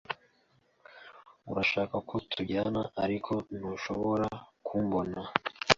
urashaka ko tujyana ariko ntushobora kumbona